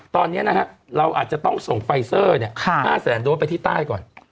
ตอนนี้นะฮะเราอาจจะต้องส่งไฟเซอร์๕แสนโดสไปที่ใต้ก่อน